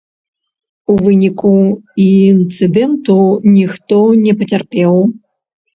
У выніку інцыдэнту ніхто не пацярпеў.